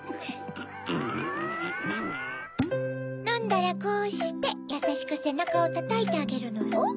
のんだらこうしてやさしくせなかをたたいてあげるのよ。